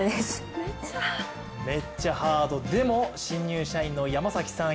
めっちゃハード、でも、新入社員の山崎さん。